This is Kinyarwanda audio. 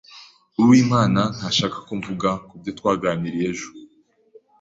Uwimana ntashaka ko mvuga kubyo twaganiriye ejo.